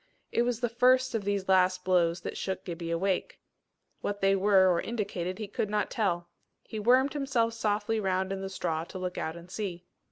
It was the first of these last blows that shook Gibbie awake. What they were or indicated he could not tell. He wormed himself softly round in the straw to look out and see.